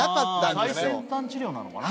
最先端治療なのかな？